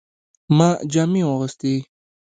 ما جامې واغستې